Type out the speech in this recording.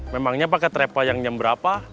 memangnya pakai trepa yang nyem berapa